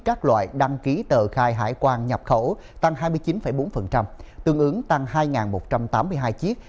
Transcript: các loại đăng ký tờ khai hải quan nhập khẩu tăng hai mươi chín bốn tương ứng tăng hai một trăm tám mươi hai chiếc